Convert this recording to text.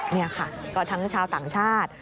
นี่ค่ะก็ทั้งชาวต่างชาติ